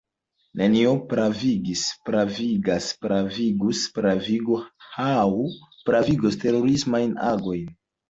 Nenio pravigis, pravigas, pravigus, pravigu aŭ pravigos terorismajn agojn.